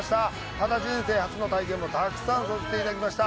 ただ人生初の体験もたくさんさせていただきました